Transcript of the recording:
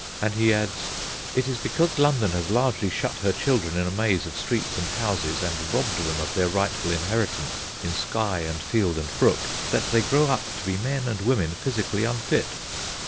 And he adds: "It is because London has largely shut her children in a maze of streets and houses and robbed them of their rightful inheritance in sky and field and brook, that they grow up to be men and women physically unfit."